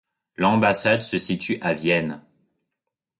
L'ambassade se situe à Vienne.